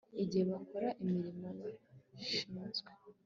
igihe bakora imirimo bashinzwe